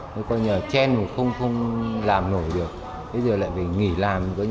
tôi coi như là chen không làm nổi được bây giờ lại phải nghỉ làm để đi đăng ký